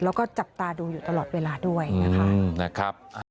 แล้วก็จับตาดูอยู่ตลอดเวลาด้วยนะคะ